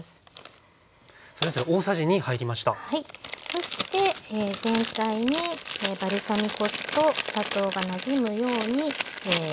そして全体にバルサミコ酢とお砂糖がなじむように混ぜます。